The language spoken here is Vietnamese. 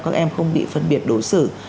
các em không bị phân biệt đối xử